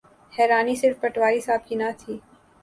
حیرانی صرف پٹواری صاحب کی نہ تھی۔